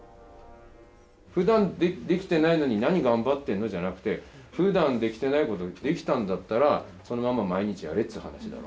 ふだんできてないのになに頑張ってんのじゃなくてふだんできてないことをできたんだったらそのまま毎日やれっつう話だろ？